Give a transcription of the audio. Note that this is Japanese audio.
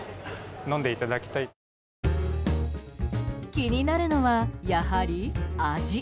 気になるのは、やはり味。